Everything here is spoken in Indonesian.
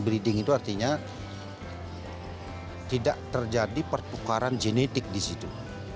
breeding itu artinya tidak terjadi pertukaran genetik di situ